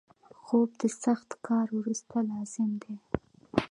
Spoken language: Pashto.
خوب د سخت کار وروسته لازم دی